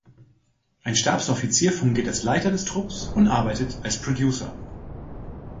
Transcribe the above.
Ein Stabsoffizier fungiert als Leiter des Trupps und arbeitet als Producer.